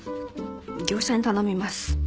業者に頼みます。